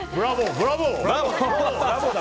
ブラボー！